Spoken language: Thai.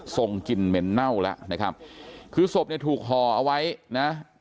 ส่งกลิ่นเหม็นเน่าแล้วนะครับคือศพเนี่ยถูกห่อเอาไว้นะ